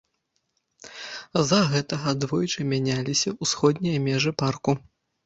З-за гэтага двойчы мяняліся ўсходнія межы парку.